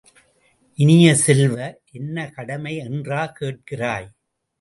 இனிய செல்வ, என்ன கடமை என்றா கேட்கிறாய்?